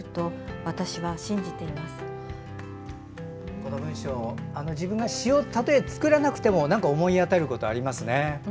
この文章自分がたとえ詩を作らなくてもなんか思い当たることがありますね。